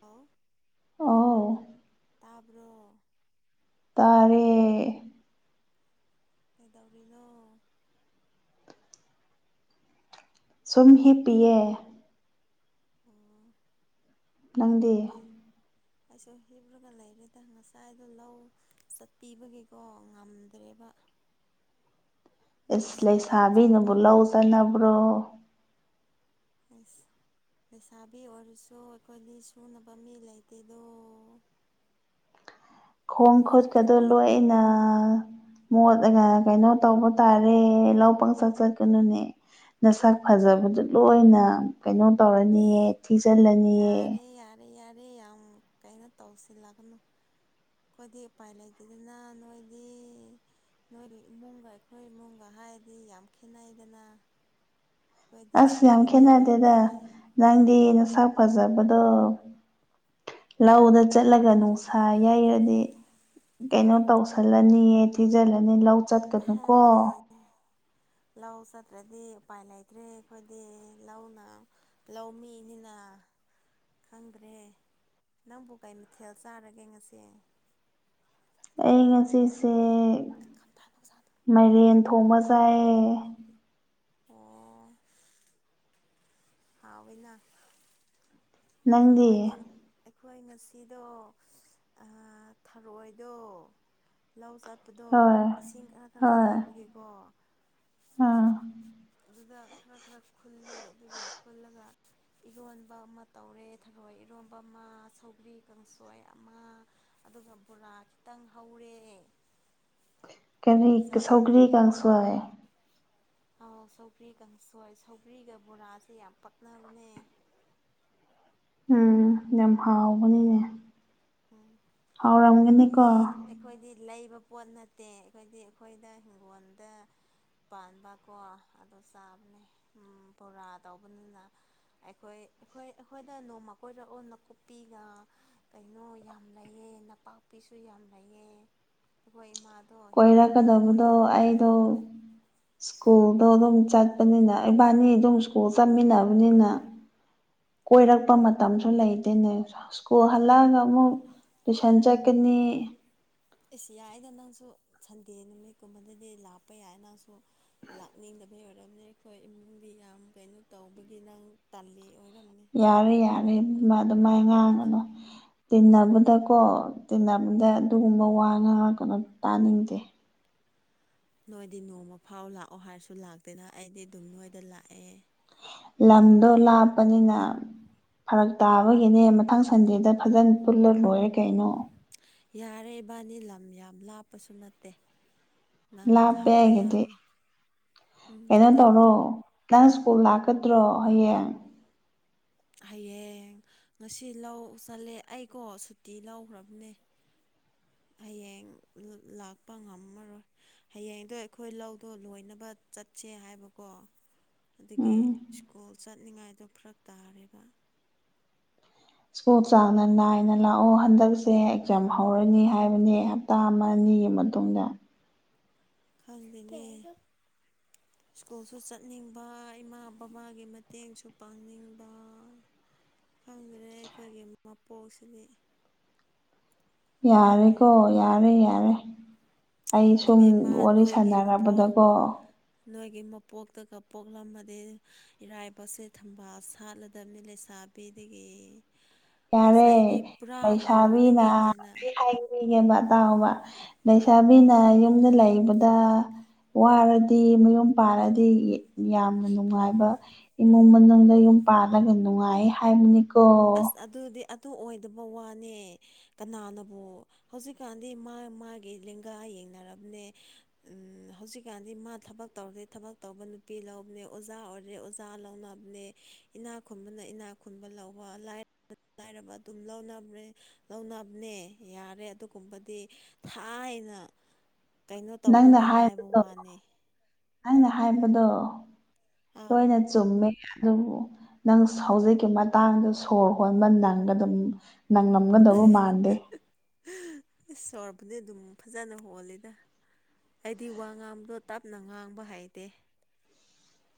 hello ꯑꯣ ꯇꯥꯕ꯭ꯔꯣ ꯇꯥꯔꯦ ꯀꯗꯧꯔꯤꯅꯣ ꯁꯨꯝ ꯍꯦꯞ ꯄꯑꯦ ꯑꯣ ꯂꯪꯗꯦ ꯀꯩ ꯑꯩꯁꯨ ꯍꯤꯞꯨꯔꯒ ꯂꯩꯔꯦꯗ ꯉꯁꯥꯏꯗꯣ ꯂꯧ ꯆꯠꯄꯤꯕꯒꯤꯀꯣ ꯉꯝꯗ꯭ꯔꯦ [unintelligible] ꯏꯁꯁ ꯂꯩꯁꯥꯕꯤꯅꯕꯨ ꯂꯧ ꯆꯅꯕ꯭ꯔꯣ ꯑꯁ ꯂꯩꯁꯥꯕꯤ ꯑꯣꯏꯔꯁꯨ ꯑꯩꯈꯣꯏꯗꯤ ꯁꯨꯅꯕ ꯃꯤ ꯂꯩꯇꯦꯗꯣ ꯈꯣꯡ ꯈꯣꯠꯀꯗꯣ ꯆꯠꯇ꯭ꯔꯗꯤ ꯂꯣꯏꯅ ꯃꯣꯠ ꯀꯩꯅꯣ ꯇꯧꯕ ꯇꯥꯔꯦ ꯂꯧ ꯄꯪꯆꯠ ꯆꯠꯀꯅꯨꯅꯦ ꯅꯁꯛ ꯐꯖꯕꯗꯨ ꯂꯣꯏꯅ ꯀꯩꯅꯣ ꯏꯁ ꯇꯧꯔꯅꯤꯑ ꯊꯤꯖꯤꯜꯂꯅꯤꯑ ꯌꯥꯔꯦ ꯌꯥꯔꯦ ꯌꯥꯔꯦ ꯌꯥꯝ ꯀꯩꯅꯣ ꯇꯧꯁꯤꯜꯂꯒꯅꯨ ꯑꯩꯈꯣꯏꯗꯤ ꯎꯄꯥꯏ ꯂꯩꯇꯦꯗꯅ ꯅꯣꯏꯗꯤ ꯅꯣꯏꯒꯤ ꯏꯃꯨꯡꯒ ꯑꯩꯈꯣꯏ ꯏꯃꯨꯡꯒ ꯍꯥꯏꯔꯗꯤ ꯌꯥꯝ ꯈꯦꯠꯅꯩꯗꯅ ꯑꯩꯈꯣꯏꯗꯤ ꯑꯁ ꯌꯥꯝ ꯁꯨꯗꯗꯤ ꯈꯦꯠꯅꯗꯦꯗ ꯌꯥꯗꯦ ꯅꯪꯗꯤ ꯅꯁꯥ ꯐꯖꯕꯗꯣ ꯂꯧꯗ ꯆꯠꯂꯒ ꯅꯨꯡꯁꯥ ꯌꯩꯔꯗꯤ ꯀꯩꯅꯣ ꯇꯧꯁꯜꯂꯅꯤꯌꯦ ꯊꯤꯖꯤꯜꯂꯅꯤ ꯂꯧ ꯍꯦ ꯆꯠꯀꯅꯨꯀꯣ ꯂꯧ ꯆꯠꯇ꯭ꯔꯗꯤ ꯎꯄꯥꯏ ꯂꯩꯇ꯭ꯔꯦ ꯑꯩꯈꯣꯏꯗꯤ ꯂꯧꯅ ꯂꯧꯃꯤꯅꯤ ꯑ ꯈꯪꯗ꯭ꯔꯦ ꯅꯪꯕꯨ ꯀꯩ ꯃꯊꯦꯜ ꯆꯥꯔꯒꯦ ꯉꯁꯦ ꯑꯩ ꯉꯁꯤꯁꯦ ꯃꯥꯏꯔꯦꯟ ꯊꯣꯡꯕ ꯆꯥꯏ ꯑꯣ ꯍꯥꯎ ꯑꯣꯏꯅ ꯅꯪꯗꯤ ꯑꯩꯈꯣꯏꯗꯤ ꯑꯩꯈꯣꯏ ꯉꯁꯤꯗꯣ ꯊꯔꯣꯏꯗꯣ ꯂꯧ ꯆ ꯑꯠꯄꯗꯣ ꯍꯣꯏ ꯏꯁꯤꯡ ꯈꯔ ꯈꯔ ꯍꯣꯏ ꯂꯩꯕꯒꯦꯀꯣ ꯑꯥ ꯑꯗꯨꯗ ꯈꯔ ꯈꯔ ꯈꯨꯜꯂꯦ ꯑꯗꯨꯒꯤ ꯈꯨꯜꯂꯒ ꯏꯔꯣꯟꯕ ꯇꯧꯔꯦ ꯊꯕꯛ ꯍꯣꯏ ꯏꯔꯣꯝꯕ ꯑꯃ ꯁꯧꯒ꯭ꯔꯤ ꯀꯥꯡꯁꯣꯏ ꯑꯃ ꯑꯗꯨꯒ ꯕꯣꯔꯥ ꯈꯤꯇꯪ ꯍꯧꯔꯦ [unintelligible] ꯀꯅꯤ ꯑꯗꯨ ꯆꯥꯏ ꯁꯧꯒꯔꯤ ꯀꯁꯨꯏ ꯑ ꯁꯧꯕ꯭ꯔꯤ ꯀꯥꯡꯁꯣꯏ ꯁꯧꯕ꯭ꯔꯤꯒ ꯕꯣꯔꯥꯁꯦ ꯌꯥꯝ ꯄꯛꯅꯕꯅꯦ [unintelligible] ꯎꯝ ꯌꯥꯝ ꯍꯥꯎꯕꯅꯤꯅꯦ ꯎꯝ ꯍꯥꯎꯔꯝꯒꯅꯤꯀꯣ ꯑꯩꯈꯣꯏꯗꯤ ꯑꯩꯈꯣꯏꯗꯤ ꯂꯩꯕ ꯄꯣꯠ ꯅꯠꯇꯦ ꯍꯥꯏꯈꯗꯤ ꯑꯩꯈꯣꯏꯗ ꯍꯤꯡꯒꯣꯜꯗ ꯄꯥꯟꯕ ꯀꯣ ꯑꯗꯨ ꯆꯥꯕꯅꯦ ꯕꯣꯔꯥ ꯇꯧꯕꯅꯤꯅ ꯑꯩꯈꯣꯏ ꯑꯩꯈꯣꯏ ꯑꯩꯈꯣꯏꯅ ꯅꯣꯡꯃ ꯀꯣꯏꯔ ꯑꯣ ꯅꯥꯀꯨꯞꯄꯤꯒ ꯀꯩꯅꯣ ꯌꯥꯝ ꯂꯩꯑꯦ ꯅꯄꯥꯛꯄꯤꯁꯨ ꯌꯥꯝ ꯂꯩꯑ ꯑꯩꯈꯣꯏ ꯏꯃꯥ ꯑꯣꯏꯔꯛꯀꯗꯕꯗꯣ ꯑꯩꯗꯣ ꯁ꯭ꯀꯨꯜꯗꯣ ꯑꯗꯨꯝ ꯆꯠꯄꯅꯤꯅ ꯏꯕꯥꯅꯤ ꯑꯗꯨꯝ ꯁ꯭ꯀꯨꯜ ꯆꯠꯃꯤꯟꯅꯕꯅꯤꯅ ꯀꯣꯏꯔꯛꯄ ꯃꯇꯝꯁꯨ ꯂꯩꯇꯦꯅꯦ ꯁ꯭ꯀꯨꯜ ꯍꯜꯂꯛꯑꯒ ꯑꯃꯨꯛ ꯇꯨꯏꯁꯟ ꯆꯠꯀꯅꯤ ꯑꯦꯁ ꯌꯥꯏꯗ ꯅꯪꯁꯨ ꯁꯟꯗꯦ ꯅꯨꯃꯤꯠꯀꯨꯝꯕꯗꯗꯤ ꯂꯥꯛꯄ ꯌꯥꯏ ꯅꯪꯁꯨ ꯂꯥꯛꯅꯤꯡꯗꯕꯩ ꯑꯣꯏꯔꯝꯅꯦ ꯑꯩꯈꯣꯏ ꯏꯃꯨꯡꯗꯤ ꯌꯥꯝ ꯀꯩꯅꯣ ꯇꯧꯕꯒꯤ ꯅꯪ ꯇꯜꯂꯤ ꯑꯣꯏꯔꯝ ꯌꯥꯔꯦ ꯌꯥꯔꯦ ꯑꯗꯨꯃꯥꯏ ꯉꯥꯡꯉꯅꯨ ꯇꯤꯟꯅꯕꯗꯀꯣ ꯇꯤꯟꯅꯕꯗ ꯑꯗꯨꯒꯨꯝꯕ ꯋꯥ ꯉꯥꯡ ꯀꯩꯅꯣ ꯇꯥꯅꯤꯡꯗꯦ ꯅꯣꯏꯗꯤ ꯅꯣꯡꯃ ꯐꯥꯎ ꯂꯥꯛꯑꯣ ꯍꯥꯏꯔꯁꯨ ꯂꯥꯛꯇꯦꯅ ꯑꯩꯗꯤ ꯑꯗꯨꯝ ꯅꯣꯏꯗ ꯂꯥꯛꯑꯦ ꯂꯝꯗꯣ ꯂꯥꯞꯄꯅꯤꯅ ꯐꯔꯛ ꯇꯥꯕꯒꯤꯅꯦ ꯃꯊꯪ ꯁꯟꯗꯦꯗ ꯐꯖꯅ ꯄꯨꯜꯂ ꯂꯣꯏꯔꯦ ꯀꯩꯅꯣ ꯌꯥꯔꯦ ꯏꯕꯥꯅꯤ ꯂꯝ ꯌꯥꯝ ꯂꯥꯞꯄꯁꯨ ꯅꯠꯇꯦ ꯅꯪ ꯂꯥꯞꯄ ꯂꯥꯛꯄ ꯑꯩꯒꯤꯗꯤ ꯌꯥꯕꯅꯦ ꯎꯝ ꯀꯩꯅꯣ ꯂꯥꯞꯄ꯭ꯔ ꯇꯧꯔꯣ ꯁꯀꯣꯜ ꯂꯥꯛꯀꯗ꯭ꯔꯣ ꯍꯌꯦꯡ ꯍꯌꯦꯡ ꯉꯁꯤ ꯂꯧ ꯆꯠꯂꯦ ꯑꯩꯀꯣ ꯁꯨꯇꯤ ꯂꯧꯈ꯭ꯔꯕꯅꯦ ꯍꯌꯦꯡ ꯂꯥꯛꯄ ꯉꯝꯃꯔꯣꯏ ꯍꯌꯦꯡꯗꯣ ꯑꯩꯈꯣꯏ ꯂꯧꯗꯣ ꯂꯣꯏꯅꯕ ꯆꯠꯁꯦ ꯍꯥꯏꯕꯀꯣ ꯑꯗꯨꯗꯒꯤ ꯎꯝ ꯁ꯭ꯀꯨꯜ ꯆꯠꯅꯤꯡꯉꯥꯏꯗꯣ ꯐꯔꯛ ꯇꯥꯔꯦꯔꯤꯕ ꯁ꯭ꯀꯨꯜ ꯆꯥꯡꯅ ꯅꯥꯏꯅ ꯂꯥꯛꯑꯣ ꯍꯟꯗꯛꯁꯦ ꯑꯦꯛꯖꯥꯝ ꯍꯧꯔꯅꯤ ꯍꯥꯏꯕꯅꯦ ꯍꯞꯇꯥ ꯑꯃ ꯑꯅꯤ ꯃꯤ ꯃꯇꯨꯡꯗ ꯈꯪꯗꯅꯦ ꯁ꯭ꯀꯨꯜꯁꯨ ꯆꯠꯅꯤꯡꯕ ꯏꯃꯥ ꯕꯕꯥꯒꯤ ꯃꯇꯦꯡꯁꯨ ꯄꯥꯡꯅꯤꯡꯕ ꯈꯪꯗꯦ ꯑꯩꯈꯣꯏꯒꯤ ꯃꯄꯣꯛꯁꯤꯗꯤ ꯌꯥꯔꯦꯀꯣ ꯌꯥꯔꯦ ꯌꯥꯔꯦ ꯑꯩ ꯁꯨꯝ ꯏꯕꯦꯝꯃ ꯋꯥꯔꯤ ꯅꯣꯏꯒꯤ ꯃꯄꯣꯛ ꯁꯥꯟꯅꯔꯕꯗꯀꯣ ꯅꯣꯏꯒꯤ ꯃꯄꯣꯛꯇꯒ ꯄꯣꯛꯂꯝꯃꯗꯤ ꯏꯔꯥꯏꯕꯁꯦ ꯊꯝꯕꯥꯜ ꯁꯥꯠꯂꯗꯕꯅꯤ ꯂꯩꯁꯥ ꯍꯥꯄꯦꯗꯒꯤꯗꯒꯤ ꯌꯥꯔꯦ ꯂꯩꯩꯁꯥꯕꯤꯅ ꯃꯧꯗꯒꯤ ꯍꯦꯟꯅ ꯑꯃ ꯑ ꯇꯥꯎ ꯑꯃ ꯂꯩꯁꯥꯕꯤꯅ ꯌꯨꯝꯗ ꯂꯩꯕꯗ ꯋꯥꯔꯗꯤ ꯃꯌꯨꯝ ꯄꯥꯜꯂꯗꯤ ꯌꯥꯝꯅ ꯅꯨꯡꯉꯥꯏꯕ ꯏꯃꯨꯡ ꯃꯅꯨꯡꯗ ꯌ ꯄꯥꯜꯂꯒ ꯅꯨꯡꯉꯥꯏ ꯍꯥꯏꯕꯅꯤ ꯑꯁ ꯑꯗꯨꯗꯤ ꯑꯗꯨ ꯑꯣꯏꯗꯕ ꯋꯥꯅꯦ ꯀꯅꯥꯅꯕꯨ ꯍꯧꯖꯤꯛꯀꯥꯟꯗꯤ ꯃꯥ ꯃꯥꯒꯤ ꯂꯦꯡꯒꯥꯥꯏ ꯌꯦ ꯊꯦꯡꯅꯔꯕꯅꯦ ꯍꯧꯖꯤꯛꯀꯥꯟꯗꯤ ꯃꯥ ꯊꯕꯛ ꯇꯧꯔꯦ ꯊꯕꯛ ꯇꯧꯕ ꯅꯨꯄꯤ ꯂꯧꯕꯅꯦ ꯑꯣꯖꯥ ꯑꯣꯏꯔꯦ ꯑꯣꯖꯥ ꯂꯧꯅꯕꯅꯦ ꯏꯅꯥ ꯈꯨꯟꯕꯅ ꯏꯅꯥ ꯈꯨꯟꯕ ꯂꯧ ꯂꯥꯏꯔꯕ ꯑꯗꯨꯝ ꯂꯧꯅꯕ ꯂꯧꯅꯕꯅꯦ ꯌꯥꯔꯦ ꯑꯗꯨꯒꯨꯝꯕꯗꯤ ꯊꯥꯏꯅ ꯀꯩꯅꯣ ꯇꯧꯕꯒꯦ ꯍꯥꯏꯕ ꯋꯥꯅꯤ ꯑꯩꯅ ꯍꯥꯏꯕꯗꯣ ꯑꯥꯎ ꯂꯣꯏꯅ ꯆꯨꯝ ꯨꯝꯃꯦ ꯑꯗꯨꯕꯨ ꯅꯪ ꯍꯧꯖꯤꯛꯀꯤ ꯃꯇꯥꯡꯗ ꯁꯣꯔ ꯍꯣꯟꯕ ꯅꯪꯒ ꯑꯗꯨꯝ ꯅꯪ ꯉꯝꯒꯗꯧꯕ ꯃꯥꯟꯗꯦ ꯏꯁ ꯁꯕꯨꯗꯤ ꯑꯗꯨꯝ ꯐꯖꯅ ꯍꯣꯜꯂꯤꯗ ꯑꯩꯗꯤ ꯋꯥ ꯉꯥꯡꯗꯣ ꯇꯞꯅ ꯉꯥꯡꯕ ꯍꯩꯇꯦ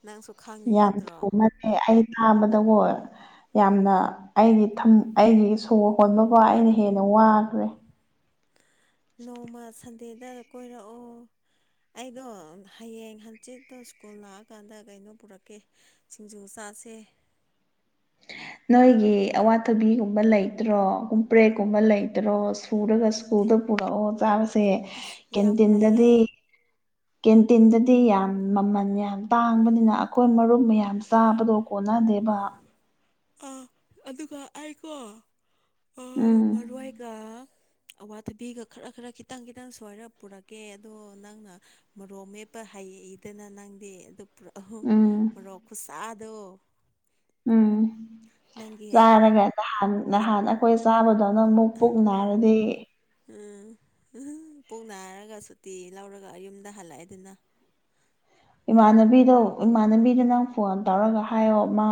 ꯅꯪꯁꯨ ꯈꯪꯉꯤ ꯌꯥꯝ ꯅꯠꯇ꯭ꯔꯣ ꯊꯨꯅꯦ ꯑꯩ ꯊꯥꯕꯗꯀꯣ ꯌꯥꯝꯅ ꯑꯩꯒꯤ ꯑꯩꯒꯤ ꯁꯣꯔ ꯍꯣꯟꯕꯕꯨꯣ ꯑꯩꯅ ꯍꯦꯟꯅ ꯋꯥꯈ꯭ꯔꯦ ꯅꯣꯡꯃ ꯁꯟꯗꯦꯗ ꯀꯣꯏꯔꯛꯑꯣ ꯑꯩꯗꯣ ꯍꯌꯦꯡ ꯍꯪꯆꯤꯠꯇꯣ ꯁ꯭ꯀꯨꯜ ꯂꯥꯛꯑꯀꯥꯟꯗ ꯀꯩꯅꯣ ꯄꯨꯔꯛꯀꯦ ꯁꯤꯡꯖꯨ ꯆꯥ ꯄꯥꯁꯦ ꯅꯣꯏꯒꯤ ꯑꯋꯥꯊꯕꯤꯒꯨꯝꯕ ꯂꯩꯇ꯭ꯔꯣ ꯀꯨꯝꯄ꯭ꯔꯦꯛꯀꯨꯝꯕ ꯂꯩꯇ꯭ꯔꯣ ꯁꯨꯔꯒꯁꯨ ꯑꯗꯨꯗ ꯄꯨꯔꯛꯑꯣ ꯆꯥꯕꯁꯦ ꯑꯁ ꯌꯥꯝ ꯂꯩꯌꯦ ꯀꯦꯟꯇꯤꯟꯗꯗꯤ ꯀꯦꯟꯇꯤꯟꯗꯗꯤ ꯌꯥꯝ ꯃꯃꯜ ꯌꯥꯝ ꯇꯥꯡꯕꯅꯤꯅ ꯑꯩꯈꯣꯏ ꯃꯔꯨꯞ ꯃꯌꯥꯝ ꯆꯥꯕꯗꯣ ꯀꯣꯟꯅ ꯗꯦꯕ ꯑꯥ ꯑꯗꯨꯒ ꯑꯩꯀꯣ ꯎꯝ ꯃꯔꯏꯒ ꯑꯋꯥꯊꯕꯤꯒ ꯈꯔ ꯈꯔ ꯈꯤꯇꯪ ꯈꯤꯇꯪ ꯁ꯭ꯋꯥꯔ ꯄꯨꯔꯛꯀꯦ ꯑꯗꯣ ꯅꯪꯅ ꯃꯔꯣ ꯃꯦꯞꯄ ꯍꯥꯏ ꯑꯩ ꯑꯩꯗꯅ ꯅꯪꯗꯦ ꯑꯗꯨ ꯄꯨꯔꯛ ꯎꯝ ꯃꯔꯣꯛ ꯈꯨꯠꯁꯥꯗꯣ ꯎꯝ ꯅꯪꯒꯤ ꯍꯦꯛ ꯆꯥꯔꯒ ꯅꯍꯥꯟ ꯅꯍꯥꯟ ꯑꯩꯈꯣꯏ ꯆꯥꯕꯗꯣ ꯑꯗꯨ ꯑꯃꯨꯛ ꯄꯨꯣꯛ ꯅꯥꯔꯗꯤ ꯎꯝ ꯎ ꯄꯨꯣꯛ ꯍꯥꯏꯔꯒ ꯁꯨꯇꯤ ꯂꯧꯔꯒ ꯌꯨꯝꯗ ꯍꯜꯂꯛꯑꯦꯗꯨꯅ ꯏꯃꯥꯟꯅꯕꯤꯗꯣ ꯏꯃꯥꯟꯅꯕꯤꯗ ꯅꯪ ꯐꯣꯟ ꯇꯧꯔꯒ ꯍꯥꯏꯌꯣ ꯃꯥ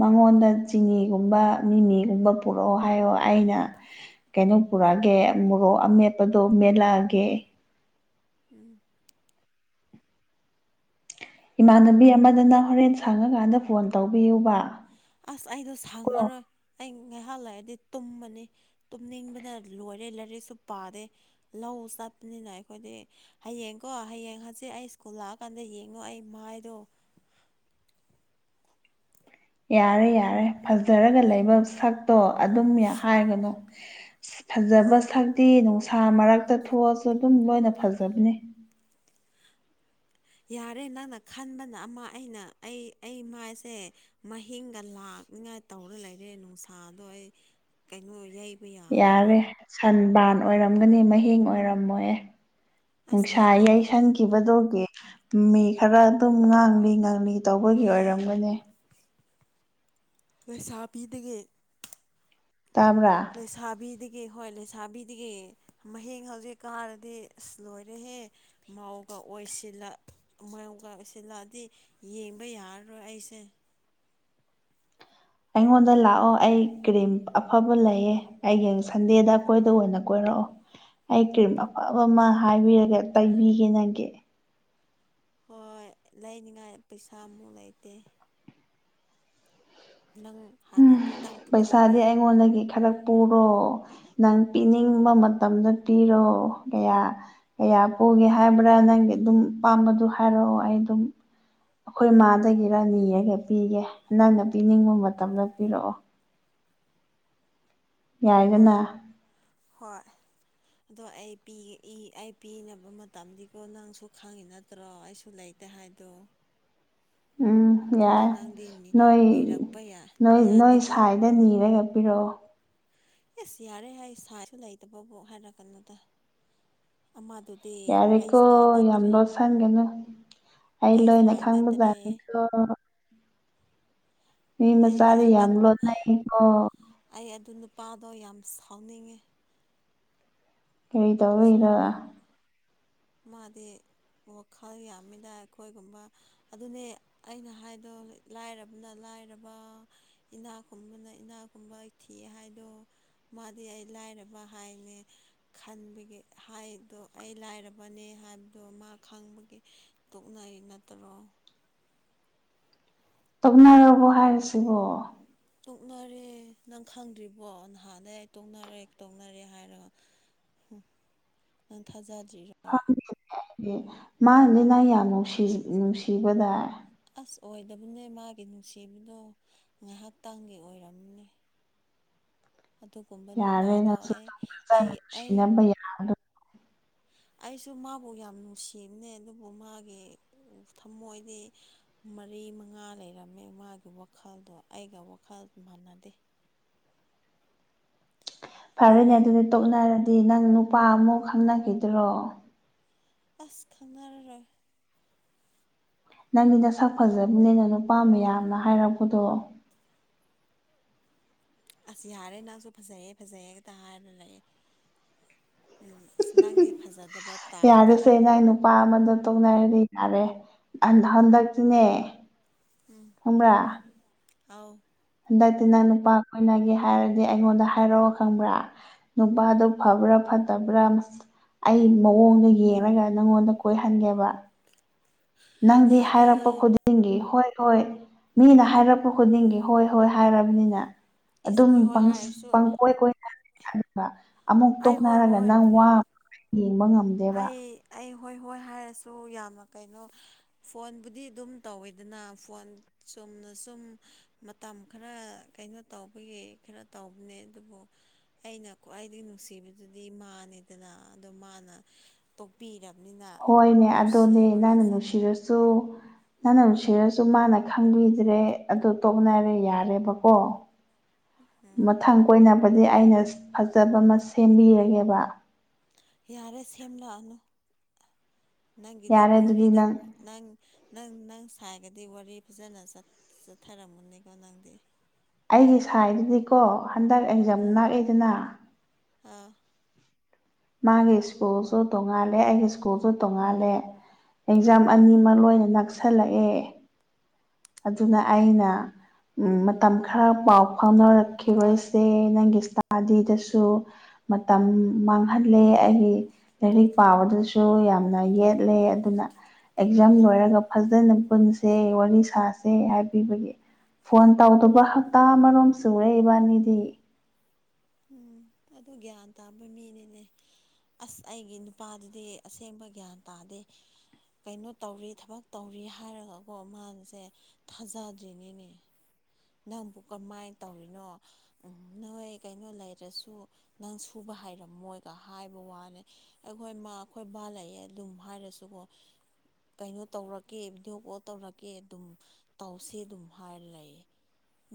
ꯃꯉꯣꯟꯗ ꯆꯤꯡꯉ ꯃꯤꯒꯨꯝꯕ ꯃꯤ ꯃꯤꯒꯨꯝꯕ ꯄꯨꯔꯛꯑꯣ ꯍꯥꯏꯌꯣ ꯑꯩꯅ ꯀꯩꯅꯣ ꯄꯨꯔꯛꯑꯒꯦ ꯃꯣꯔꯣꯛ ꯃꯦꯄꯗꯣ ꯃꯦꯂꯒꯦ ꯎꯝ ꯏꯃꯥꯟꯅꯕꯤ ꯑꯃꯗꯅ ꯍꯣꯔꯦꯟ ꯁꯪꯉꯀꯥꯟꯗ ꯐꯣꯟ ꯇꯧꯕꯤꯌꯨꯕ ꯑꯁ ꯑꯩꯗꯣ ꯁꯪꯉꯔꯣꯏ ꯑꯩ ꯉꯥꯏꯍꯥꯛ ꯂꯩꯔꯗꯤ ꯇꯨꯝꯕꯅꯤ ꯇꯨꯝꯅꯤꯡꯕꯅ ꯂꯣꯏꯔꯦ ꯂꯥꯏꯔꯤꯛꯁꯨ ꯄꯥꯗꯦ ꯂꯧ ꯆꯠꯄꯅꯤꯅ ꯑꯩꯈꯣꯏꯗꯤ ꯍꯌꯦꯡꯀꯣ ꯍꯌꯦꯡ ꯍꯧꯖꯤꯛ ꯑꯩ ꯁ꯭ꯀꯨꯜ ꯂꯥꯛꯑꯀꯥꯟꯗ ꯌꯦꯡꯉꯣ ꯑꯩ ꯃꯥꯏꯗꯣ [unintelligible] ꯌꯥꯔꯦ ꯌꯥꯔꯦ ꯐꯖꯔꯒ ꯂꯩꯕ ꯁꯛꯇꯣ ꯑꯗꯨꯝ ꯍꯥꯏꯒꯅꯨ ꯐꯖꯕ ꯑꯣ ꯁꯛꯇꯤ ꯅꯨꯡꯁꯥ ꯃꯔꯛꯇ ꯊꯣꯛꯑꯁꯨ ꯑꯗꯨꯝ ꯂꯣꯏꯅ ꯐꯖꯕꯅꯤ ꯌꯥꯔꯦ ꯅꯪꯅ ꯈꯟꯕꯅ ꯑꯃ ꯑꯩꯅ ꯑꯩ ꯑꯩ ꯃꯥꯏꯁꯦ ꯃꯍꯤꯡꯒ ꯂꯥꯛ ꯊꯛꯅꯤꯡꯉꯥꯏ ꯇꯧꯔ ꯂꯩꯔꯦ ꯅꯨꯡꯁꯥꯗꯣ ꯑꯩ ꯀꯩꯅꯣ ꯌꯩ ꯌꯥꯔꯦ ꯁꯟ ꯕꯥꯟ ꯑꯣꯏꯔꯝꯒꯅꯤ ꯃꯍꯤꯡ ꯑꯣꯏꯔꯝꯃꯣꯏꯍ ꯑꯁ ꯅꯨꯡꯁꯥ ꯃꯍꯤꯡ ꯌꯩ ꯁꯟꯈꯤꯕꯗꯨꯒ ꯃꯤ ꯈꯔ ꯑꯗꯨꯝ ꯉꯥꯡꯂꯤ ꯉꯥꯡꯂꯤ ꯇꯧꯕꯒꯤ ꯑꯣꯏꯔꯝꯒꯅꯤ ꯂꯩꯁꯥꯕꯤꯗꯒꯤ ꯇꯥꯕ꯭ꯔꯥ ꯂꯩꯁꯥꯕꯤꯗꯒꯤ ꯒꯤ ꯍꯣꯏ ꯂꯩꯁꯥꯕꯤꯗꯒꯤ ꯃꯍꯡ ꯍꯧꯖꯤꯛ ꯀꯥꯔꯗꯤ ꯑꯁ ꯂꯣꯏꯔꯦꯍꯦ ꯃꯥꯧ ꯑꯣꯏꯁꯤꯜꯂ ꯑꯣꯏꯁꯤꯜꯂꯛꯑꯗꯤ ꯌꯦꯡꯕ ꯌꯥꯔꯔꯣꯏ ꯑꯩꯁꯦ ꯑꯩꯉꯣꯟꯗ ꯂꯥꯛꯑꯣ ꯑꯩ ꯀ꯭ꯔꯤꯝ ꯑꯐꯕ ꯂꯩꯌꯦ ꯑꯩꯒꯤꯡ ꯁꯟꯗꯦꯗ ꯑꯩꯈꯣꯏꯗ ꯑꯣꯏꯅ ꯀꯣꯏꯔꯛ ꯑꯣ ꯑꯩ ꯀ꯭ꯔꯤꯝ ꯑꯐꯕ ꯑꯃ ꯍꯥꯏꯕꯤꯔꯒ ꯇꯥꯏꯕꯤꯒꯦ ꯅꯒꯦ ꯍꯣꯏ ꯂꯩꯅꯤꯉꯥꯏ ꯄꯩꯁꯥꯃꯨꯛ ꯂꯩꯇꯦ ꯅꯪ ꯍꯥꯟꯅ ꯈꯤꯇꯪ ꯄꯩꯁꯥꯗꯤ ꯄꯨꯊꯣꯛꯄꯤꯌꯣ ꯑꯩꯉꯣꯟꯗꯒꯤ ꯈꯔ ꯄꯨꯔꯣ ꯅꯪ ꯄꯤꯅꯤꯡꯕ ꯃꯇꯝꯗ ꯄꯤꯔꯣ ꯀꯌꯥ ꯀꯌꯥ ꯄꯨ ꯎꯒꯦ ꯍꯥꯏꯕ꯭ꯔꯥ ꯅꯪꯒꯤ ꯑꯗꯨꯝ ꯄꯥꯝꯕꯗꯨ ꯍꯥꯏꯔꯛꯑꯣ ꯑꯩ ꯑꯗꯨꯝ ꯑꯩꯈꯣꯏ ꯃꯥꯗꯒꯤꯔꯥ ꯅꯤꯔꯒ ꯄꯤꯒꯦ ꯅꯪꯅ ꯄꯤꯅꯤꯡꯕ ꯃꯇꯝꯗ ꯄꯤꯔꯛꯑꯣ ꯍꯣꯏ ꯌꯥꯏꯗꯅ ꯍꯣꯏ ꯑꯗꯣ ꯑꯩ ꯄꯤ ꯏ ꯑꯩ ꯄꯤꯅꯕ ꯃꯇꯝꯗꯤꯀꯣ ꯅꯪꯁꯨ ꯈꯪꯉꯤ ꯅꯠꯇ꯭ꯔꯣ ꯑꯩꯁꯨ ꯂꯩ ꯂꯩꯇꯦ ꯍꯥꯏꯗꯣ ꯎꯝ ꯑꯗꯨ ꯌꯥꯏ ꯅꯪꯗꯤ ꯅꯣꯏ ꯅꯤꯔꯛꯄ ꯅꯣꯏ ꯅꯣꯏ ꯌꯥꯗꯦꯀꯣ ꯁꯥꯏꯗ ꯅꯤꯔꯒ ꯄꯔꯛꯑꯣ ꯑꯤꯁ ꯌꯥꯔꯦ ꯍꯥꯏ ꯁꯥꯏꯁꯨ ꯂꯩꯇꯕꯨ ꯍꯥꯏꯔꯛꯀꯅꯨꯗ ꯑꯃꯗꯨꯗꯤ ꯑꯩ ꯌꯥꯔꯦꯀꯣ ꯁꯥꯏ ꯌꯥꯝ ꯅꯠꯇ꯭ꯔꯦ ꯂꯣꯠꯁꯥꯟꯒꯅꯨ ꯑꯩ ꯂꯣꯏꯅ ꯁꯥꯏ ꯅꯠꯇ꯭ꯔꯦ ꯈꯪꯕꯖꯥꯠꯅꯤꯀꯣ ꯃꯤ ꯑꯩ ꯑꯩ ꯃꯆꯥꯗꯤ ꯌꯥꯝ ꯂꯣꯠꯅꯩꯀꯣ ꯄꯥꯗꯣ ꯌꯥꯝ ꯁꯥꯎꯅꯤꯡꯉꯤ ꯀꯔꯤ ꯇꯧꯔꯛꯏꯔ ꯃꯥꯗꯤ ꯋꯥꯈꯜ ꯌꯥꯝꯃꯤꯗ ꯑꯩꯈꯣꯏꯒꯨꯝꯕ ꯑꯗꯨꯅꯦ ꯑꯩꯅ ꯍꯥꯏꯗꯣ ꯂꯥꯏꯔꯕꯅ ꯂꯥꯏ ꯂꯥꯏꯔꯕ ꯏꯅꯥꯀꯨꯝꯕꯅ ꯏꯅꯥꯛꯀꯨꯝꯕ ꯊꯤ ꯍꯥꯏꯗꯣ ꯃꯥꯗꯤ ꯑꯩ ꯂꯥꯏ ꯔꯕ ꯍꯥꯏꯅꯦ ꯈꯟꯕꯒꯤ ꯍꯥꯏꯗꯣ ꯑꯩ ꯂꯥꯏꯔ ꯕꯅꯦ ꯍꯥꯏꯕꯗꯣ ꯃꯥ ꯈꯪꯕꯒꯤ ꯇꯣꯛꯅꯩ ꯅꯠꯇꯔꯣ ꯇꯣꯛꯅꯔꯕꯣ ꯍꯥꯏꯔꯤꯁꯤꯕꯣ ꯇꯣꯛꯅꯔꯦ ꯅꯪ ꯈꯪꯗ꯭ꯔꯤꯕꯣ ꯅꯍꯥꯟꯗꯩ ꯑꯩ ꯇꯣꯛꯅꯔꯦ ꯇꯣꯛꯅꯔꯦ ꯍꯥꯏꯔꯒ ꯍꯨꯝ ꯅꯪ ꯊꯥꯖꯗ꯭ꯔꯤꯔꯣ ꯃꯥꯗꯤ ꯅꯪ ꯌꯥꯝ ꯅꯨꯡꯁꯤ ꯅꯨꯡꯁꯤꯕꯗꯥꯏ [inaudible] ꯑꯣꯏꯗꯕꯅꯦ ꯃꯥꯒꯤ ꯅꯨꯡꯁꯤꯕꯗꯣ ꯉꯥꯏꯍꯥꯛꯇꯥꯡꯒꯤ ꯑꯣꯏꯔꯝꯅꯤ ꯌꯥꯔꯣꯏ ꯅꯪꯁꯨ ꯑꯩ ꯑꯗꯨꯝ ꯐꯖꯅ ꯑꯩ ꯑꯩ ꯅꯨꯡꯁꯤꯅꯕ ꯌꯥꯕꯗꯣ ꯑꯩꯁꯨ ꯃꯥꯕꯨ ꯌꯥꯝ ꯅꯨꯡꯁꯤꯕꯅꯦ ꯑꯗꯨꯕꯨ ꯃꯥꯒꯤ ꯊꯃꯣꯏꯗꯤ ꯃꯔꯤ ꯃꯉꯥ ꯂꯩꯔꯝꯃꯦ ꯃꯥꯒꯤ ꯋꯥꯈꯜꯗꯣ ꯑꯩꯒ ꯋꯥꯈꯜ ꯃꯥꯟꯅꯗꯦ ꯐꯔꯦꯅꯦ ꯑꯗꯨꯒ ꯑꯗꯨꯗꯤ ꯇꯣꯛꯅꯔꯗꯤ ꯅꯪ ꯅꯨꯄꯥ ꯑꯃꯨꯛ ꯈꯪꯅꯈꯤꯗ꯭ꯔꯣ ꯑꯁ ꯈꯪꯅꯔꯔꯣꯏ ꯅꯪꯗꯤ ꯅꯁꯛ ꯐꯖꯕꯅꯤꯅ ꯅꯨꯄꯥ ꯃꯌꯥꯝꯅ ꯍꯥꯏꯔꯛꯄꯗꯣ ꯑꯁ ꯌꯥꯔꯦ ꯅꯪꯁꯨ ꯐꯖꯩꯑꯦ ꯐꯖꯩꯑꯦꯒꯛꯇ ꯍꯥꯏꯔ ꯂꯩ ꯎꯝ ꯏꯁ ꯅꯥꯪꯗꯤ ꯐꯖ ꯌꯥꯔꯁꯦ ꯅꯪ ꯅꯨꯄꯥ ꯑꯃꯗꯣ ꯇꯣꯛꯅꯔꯗꯤ ꯌꯥꯔꯦ ꯑꯍꯟ ꯍꯟꯗꯛꯇꯤꯅꯦ ꯈꯪꯕꯔꯥ ꯑꯥꯎ ꯍꯟꯗꯛꯇꯤ ꯅꯪ ꯅꯨꯄꯥ ꯀꯣꯏꯅꯒꯦ ꯍꯥꯏꯔꯗꯤ ꯑꯩꯉꯣꯟꯗ ꯍꯥꯏꯔꯛꯑꯣ ꯈꯪꯕ꯭ꯔꯥ ꯅꯨꯄꯥꯗꯨ ꯐꯕ꯭ꯔꯥ ꯐꯠꯇꯕ꯭ꯔꯥ ꯑꯩ ꯃꯑꯣꯡꯗꯣ ꯌꯦꯡꯉꯒ ꯅꯪꯉꯣꯟꯗ ꯀꯣꯏꯍꯟꯒꯦꯕ ꯅꯪꯗꯤ ꯌꯥꯔꯦ ꯍꯥꯏꯔꯛꯄ ꯈꯨꯗꯤꯡꯒꯤ ꯍꯣꯏ ꯍꯣꯏ ꯃꯤꯅ ꯍꯥꯏꯔꯛꯄ ꯈꯨꯗꯤꯡꯒꯤ ꯍꯣꯏ ꯍꯣꯏ ꯍꯥꯏꯔꯕꯅꯤꯅ ꯏꯁ ꯑꯗꯨꯝ ꯍꯣꯏ ꯍꯣꯏ ꯄꯪꯁ ꯍꯥꯏꯔꯁꯨ ꯄꯪꯀꯣꯏ ꯀꯣꯏ [unintelligible] ꯑꯃꯨꯛ ꯑꯩ ꯍꯣꯏ ꯇꯣꯛꯅꯔꯒ ꯍꯣꯏ ꯅꯪ ꯋꯥ [unintelligible] ꯌꯦꯡꯕ ꯉꯝꯗꯦꯕ ꯑꯩ ꯑꯩ ꯍꯣꯏ ꯍꯣꯏ ꯍꯥꯏꯔꯁꯨ ꯌꯥꯝꯅ ꯀꯩꯅꯣ ꯐꯣꯟꯕꯨꯗꯤ ꯑꯗꯨꯝ ꯇꯧꯋꯦꯗꯅ ꯐꯣꯟ ꯆꯨꯛ ꯆꯨꯝꯅ ꯁꯨꯝ ꯃꯇꯝ ꯈꯔ ꯀꯩꯅꯣ ꯇꯧꯕꯒꯤ ꯈꯔ ꯇꯧꯕꯅꯦ ꯑꯗꯨꯕꯨ ꯑꯩꯅ ꯈ꯭ꯋꯥꯏꯗꯒꯤ ꯅꯨꯡꯁꯤꯕꯗꯨꯗꯤ ꯃꯥꯅꯦꯗꯅ ꯑꯗꯣ ꯃꯥꯅ ꯇꯣꯛꯄꯤꯔꯛ ꯍꯣꯏꯅꯦ ꯑꯗꯣꯅꯦ ꯅꯪꯅ ꯅꯨꯡꯁꯤꯔꯁꯨ ꯅꯪꯅ ꯅꯨꯡꯁꯤꯔꯁꯨ ꯃꯥꯅ ꯈꯪꯕꯤꯗ꯭ꯔꯦ ꯑꯗꯨ ꯇꯣꯛꯅꯔꯦ ꯌꯥꯔꯦꯕꯀꯣ ꯎꯝ ꯃꯊꯪ ꯀꯣꯏꯅꯕꯗꯤ ꯑꯩꯅ ꯐꯖꯕ ꯑꯃ ꯁꯦꯝꯕꯤꯔꯒꯦꯕ ꯌꯥꯔꯦ ꯁꯦꯝꯂꯛꯑꯅꯨ ꯅꯪꯒꯤꯗꯤ ꯄꯣ ꯌꯥꯔꯦ ꯑꯗꯨꯗꯤ ꯄꯨꯋꯥꯍꯔꯤꯗ ꯅꯪ ꯅꯪ ꯅꯪ ꯅꯪ ꯍꯥꯏꯔꯒꯗꯤ ꯋꯥꯔꯤ ꯐꯖꯅ ꯆꯠꯊꯔꯝꯃꯅꯤꯀꯣ ꯅꯪꯗꯤ ꯑꯩꯒꯤ ꯁꯥꯏꯗꯨꯗꯤꯀꯣ ꯍꯟꯗꯛ ꯑꯦꯛꯖꯥꯝ ꯅꯛꯑꯏꯗꯅ ꯍꯥ ꯃꯥꯒꯤ ꯁ꯭ꯀꯨꯜꯁꯨ ꯇꯣꯡꯉꯥꯜꯂꯦ ꯑꯩꯒꯤ ꯁ꯭ꯀꯨꯜꯁꯨ ꯇꯣꯡꯉꯥꯜꯂꯦ ꯑꯦꯛꯖꯥꯝ ꯑꯥ ꯑꯅꯤꯃꯛ ꯂꯣꯏꯅ ꯅꯛꯁꯜꯂꯛꯑꯦ ꯑꯗꯨꯅ ꯑꯩꯅ ꯃꯇꯝ ꯈꯔ ꯄꯥꯎ ꯐꯥꯎꯅꯔꯛꯈꯤꯔꯣꯏꯁꯦ ꯅꯪꯒꯤ ꯏꯁꯇꯥꯞ ꯑꯥꯗꯤꯗꯁꯨ ꯃꯇꯝ ꯃꯥꯡꯍꯜꯂꯦ ꯑꯩꯒꯤ ꯂꯥꯏꯔꯤꯛ ꯄꯥꯕꯗꯁꯨ ꯌꯥꯝꯅ ꯌꯦꯠꯂꯦ ꯑꯗꯨꯅ ꯑꯦꯛꯖꯥꯝ ꯂꯣꯏꯔꯒ ꯐꯖꯅ ꯄꯨꯟꯁꯦ ꯋꯥꯔꯤ ꯁꯥꯁꯦ ꯍꯥꯏꯕꯤꯕꯒꯤ ꯐꯣꯟ ꯇꯧꯗꯨꯕ ꯍꯞꯇꯥ ꯑꯃꯔꯣꯝ ꯁꯨꯔꯦ ꯏꯕꯥꯅꯤꯗꯤ ꯎꯝ ꯑꯗꯨ ꯒ꯭ꯌꯥꯟ ꯇꯥꯕ ꯃꯤꯅꯤꯅꯦ ꯑꯁ ꯑꯩꯒꯤ ꯅꯨꯄꯥꯗꯗꯤ ꯑꯁꯦꯡꯕ ꯒ꯭ꯌꯥꯟ ꯇꯥꯗꯦ ꯀꯩꯅꯣ ꯇꯧꯔꯤ ꯊꯕꯛ ꯇꯧꯔꯤ ꯍꯥꯏꯔꯒꯀꯣ ꯃꯥꯁꯦ ꯊꯥꯖꯗ꯭ꯔꯤꯉꯩꯅꯦ ꯅꯪꯕꯨ ꯀꯃꯥꯏꯅ ꯇꯧꯔꯤꯅꯣ ꯎ ꯅꯣꯏ ꯀꯩꯅꯣ ꯂꯩꯔꯁꯨ ꯅꯪ ꯁꯨꯕ ꯍꯥꯏꯔꯝꯃꯣꯏꯒ ꯍꯥꯏꯕ ꯋꯥꯅꯦ ꯑꯩꯈꯣꯏ ꯃꯥ ꯑꯩꯈꯣꯏ ꯕꯥ ꯂꯩꯑꯦ ꯑꯗꯨꯨꯝ ꯍꯥꯏꯔꯁꯨꯀꯣ ꯀꯩꯅꯣ ꯇꯧꯔꯛꯀꯦ ꯚꯤꯗꯤꯑꯣ ꯀꯣꯜ ꯇꯧꯔꯛꯀꯦ ꯑꯗꯨꯝ ꯇꯧꯁꯦ ꯑꯗꯨꯝ ꯍꯥꯏꯔ ꯂꯩꯌꯦ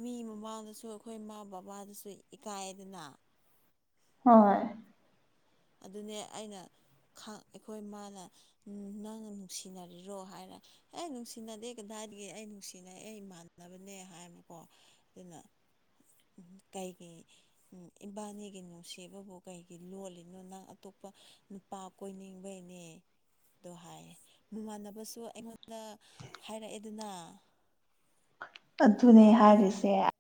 ꯃꯤ ꯃꯃꯥꯡꯗꯁꯨ ꯑꯩꯈꯣꯏ ꯃꯥ ꯕꯕꯥꯗꯁꯨ ꯏꯀꯥꯏꯗꯅ ꯍꯣꯏ ꯑꯗꯨꯅꯦ ꯑꯩꯅ ꯑꯩꯈꯣꯏ ꯃꯥꯅ ꯅꯪꯅ ꯅꯨꯡꯁꯤꯅꯔꯤꯔꯣ ꯍꯥꯏꯔꯦ ꯑꯦ ꯅꯨꯡꯁꯤꯅꯗꯦ ꯀꯗꯥꯏ ꯗꯒꯤ ꯑꯩ ꯅꯨꯡꯁꯤꯅꯩ ꯑꯩ ꯏꯃꯥꯟꯅꯕꯅꯦ ꯍꯥꯏꯕꯀꯣ ꯑꯗꯨꯅ ꯀꯩꯒꯤ ꯏꯕꯥꯅꯤꯒꯤ ꯅꯨꯡꯁꯤꯕꯕꯨ ꯀꯩꯒꯤ ꯂꯣꯠꯂꯤ ꯅꯣ ꯅꯪ ꯑꯇꯣꯞꯄ ꯅꯨꯄꯥ ꯀꯣꯏꯅꯤꯡꯕꯩꯅꯦ ꯑꯗꯣ ꯍꯥꯏꯌꯦ ꯃꯃꯥꯟꯅꯕꯁꯨ ꯑꯩꯉꯣꯟꯗ ꯍꯥꯏꯔꯛꯑꯦꯗꯅ [unintelligible] ꯑꯗꯨꯅꯦ ꯇꯥꯕ꯭ꯔꯣ ꯍꯥꯏꯔꯤꯁꯦ